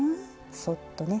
そっとね。